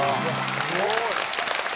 すごい！